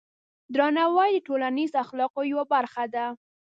درناوی د ټولنیز اخلاقو یوه برخه ده.